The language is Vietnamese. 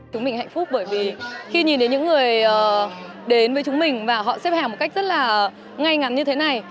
chúng mình hạnh phúc bởi vì khi nhìn đến những người đến với chúng mình và họ xếp hàng một cách rất là ngay ngắn như thế này